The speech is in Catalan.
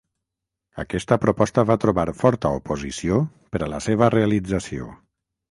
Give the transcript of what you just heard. Aquesta proposta va trobar forta oposició per a la seva realització.